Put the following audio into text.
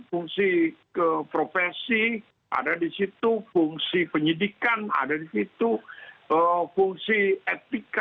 fungsi profesi ada di situ fungsi penyidikan ada di situ fungsi etika